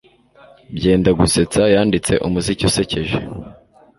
Byendagusetsa yanditse umuziki usekeje